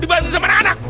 dibantu sama anak anak